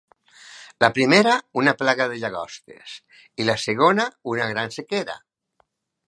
La primera, una plaga de llagostes, i la segona una gran sequera.